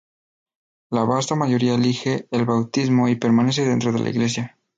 La vasta mayoría elige el bautismo y permanece dentro de la iglesia.